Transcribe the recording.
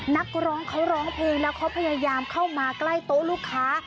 นักร้องเขาร้องเพลงแล้วเขาพยายามเข้ามาใกล้โต๊ะลูกค้า